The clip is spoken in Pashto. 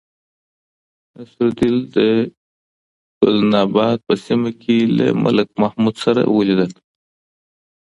نصرالله د گلناباد په سیمه کې له ملک محمود سره ولیدل.